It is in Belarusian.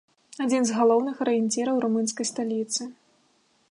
Адзін з галоўных арыенціраў румынскай сталіцы.